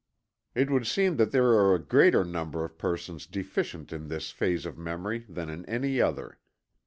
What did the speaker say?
It would seem that there are a greater number of persons deficient in this phase of memory than in any other.